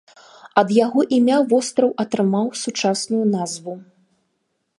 Ад яго імя востраў атрымаў сучасную назву.